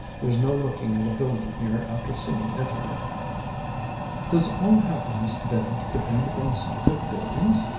There's no looking at a building here after seeing Italy." "Does all happiness, then, depend upon sight of buildings?"